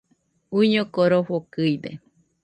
Uiñoko rofokɨide